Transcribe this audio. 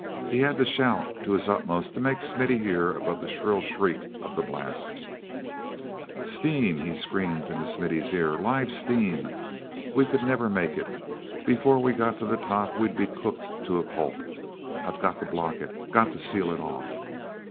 He had to shout to his utmost to make Smith hear above the shrill shriek of the blast. "Steam!" he screamed into Smithy's ear. "Live steam! We could never make it—before we got to the top we'd be cooked to a pulp. I've got to block it, got to seal it off."